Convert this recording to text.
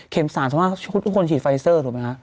เข็มสารสมมุติบุคลทุกคนฉีดไฟซ่อถูกไหมคะ